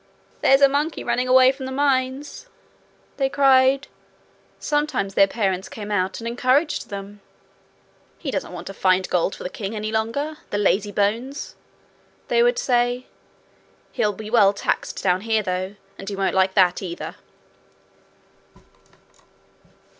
'There's a monkey running away from the mines!' they cried. Sometimes their parents came out and encouraged them. 'He doesn't want to find gold for the king any longer the lazybones!' they would say. 'He'll be well taxed down here though, and he won't like that either.'